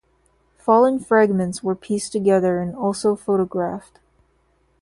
Fallen fragments were pieced together and also photographed.